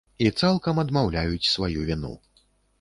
І цалкам адмаўляюць сваю віну.